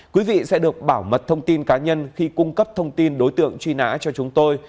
quý vị sẽ được bảo mật thông tin cá nhân khi cung cấp thông tin đối tượng truy nã cho chúng tôi